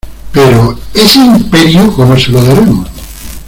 ¿ pero ese Imperio cómo se lo daremos?